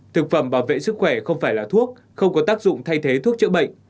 thực phẩm bảo vệ sức khỏe không phải là thuốc không có tác dụng thay thế thuốc chữa bệnh